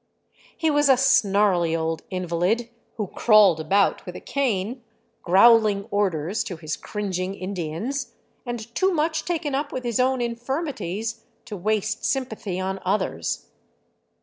He was a snarly old invalid who crawled about with a cane, growling orders to his cringing Indians, and too much taken up with his own infirmities to waste sympathy on others.